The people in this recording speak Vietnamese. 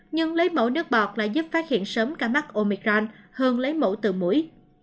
nhưng lấy mẫu nước bọt lại giúp phát hiện sớm cả mắt omicron hơn lấy mẫu từ mũi